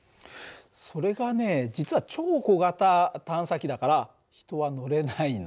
それがね実は超小型探査機だから人は乗れないの。